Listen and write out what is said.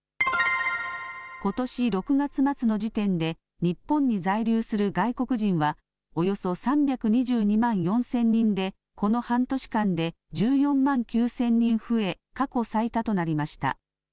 ことし６月末の時点で日本に在留する外国人はおよそ３２２万４０００人でこの半年間で１４万９０００人増え過去最多となりました。